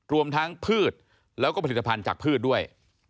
รวมทั้งพืชแล้วก็ผลิตภัณฑ์จากพืชด้วย